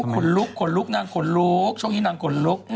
ขนลุกขนลุกนางขนลุกช่วงนี้นางขนลุก